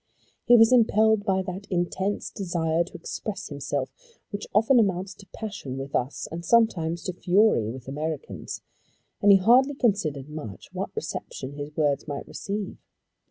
He was impelled by that intense desire to express himself which often amounts to passion with us, and sometimes to fury with Americans, and he hardly considered much what reception his words might receive.